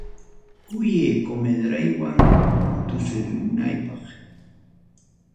Kuyay comadreywan tusurikunaypaq.